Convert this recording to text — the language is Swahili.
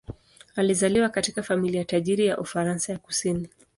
Alizaliwa katika familia tajiri ya Ufaransa ya kusini.